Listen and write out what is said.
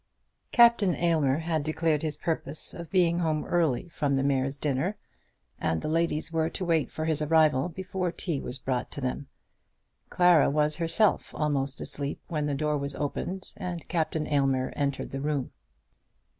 Captain Aylmer had declared his purpose of being home early from the Mayor's dinner, and the ladies were to wait for his arrival before tea was brought to them. Clara was herself almost asleep when the door was opened, and Captain Aylmer entered the room.